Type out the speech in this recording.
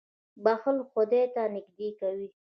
• بښل خدای ته نېږدې کوي.